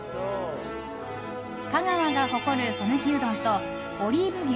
香川が誇る讃岐うどんとオリーブ牛。